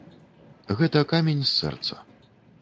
Гэта камень з сэрца.